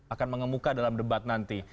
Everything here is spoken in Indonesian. akan mengemuka dalam debat nanti